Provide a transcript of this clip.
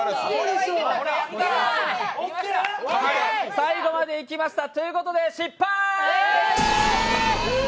最後まで行きましたということで失敗！